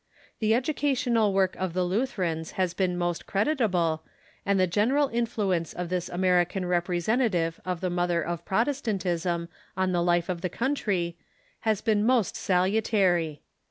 The educational work of the Lutherans has been most creditable, and the gen eral influence of this American representative of the Mother of Protestantism on the life of the country has been most sal utary.